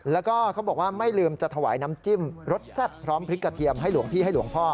แล้วก็เขาบอกว่าไม่ลืมจะถวายน้ำจิ้มรสแซ่บพร้อมพริกกระเทียมให้หลวงพี่ให้หลวงพ่อ